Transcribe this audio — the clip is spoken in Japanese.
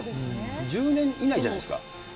１０年以内じゃないですか。